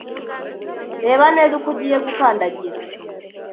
Reba neza aho ugiye gukandagira.